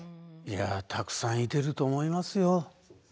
いやたくさんいてると思いますよ。